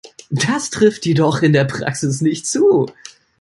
Das trifft jedoch in der Praxis nicht zu.